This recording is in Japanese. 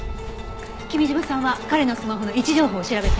君嶋さんは彼のスマホの位置情報を調べて。